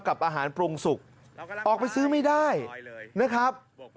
กับอาหารปรุงสุกออกไปซื้อไม่ได้นะครับ